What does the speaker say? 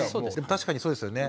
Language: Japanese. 確かにそうですよね。